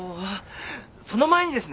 その前にですね